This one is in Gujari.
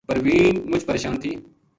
پروین مچ پریشان تھی